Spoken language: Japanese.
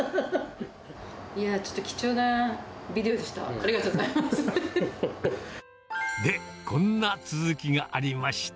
いやぁ、ちょっと貴重なビデオでした。